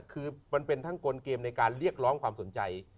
คือมันเป็นทั้งกลเกมในการเรียกร้องความสนใจ